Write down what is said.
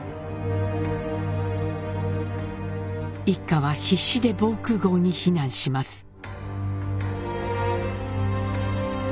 一家は必死で防空壕に避難します。